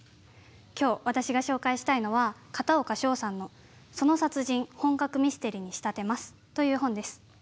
今日、私が紹介したいのは片岡翔さんの「その殺人、本格ミステリに仕立てます。」という本です。